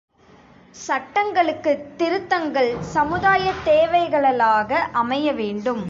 சட்டங்களுக்குத் திருத்தங்கள் சமுதாயத்.ேதவைகலளாக அமையவேண்டும்.